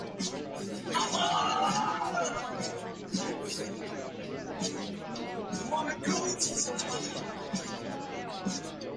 The company is known for its surreal advertising campaigns.